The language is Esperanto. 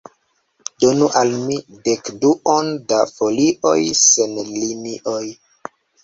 Donu al mi dekduon da folioj sen linioj.